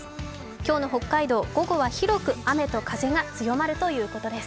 今日の北海道、午後は広く雨と風が強まるということです。